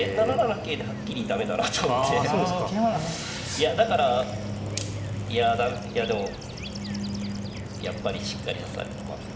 いやだからいやでもやっぱりしっかり指さないと。